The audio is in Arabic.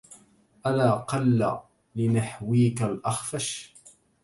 ألا قل لنحويك الأخفش